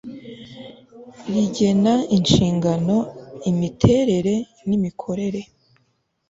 rigena inshingano imiterere n'imikorere